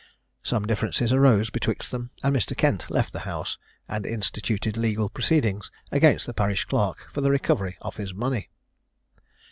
Some differences arose betwixt them, and Mr. Kent left the house, and instituted legal proceedings against the parish clerk for the recovery of his money.